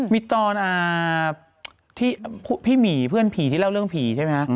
มีตอนที่พี่หมีเพื่อนผีที่เล่าเรื่องผีใช่ไหมคะ